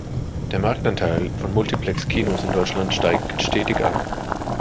Der Marktanteil von Multiplex-Kinos in Deutschland steigt stetig an.